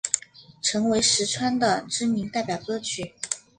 成为实川的知名代表歌曲。